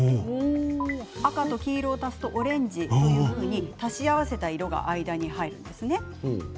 赤と黄色を足すとオレンジというように足し合わせた色が間に入ります。